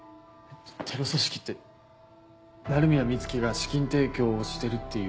テロ組織って鳴宮美月が資金提供をしてるっていう？